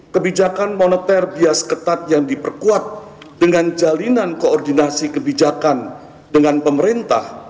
kebijakan moneter bias ketat yang diperkuat dengan jalinan koordinasi kebijakan dengan pemerintah